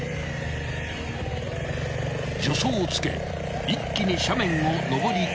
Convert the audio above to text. ［助走をつけ一気に斜面を登り切る］